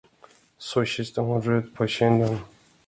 Så kysste hon Rut på kinden.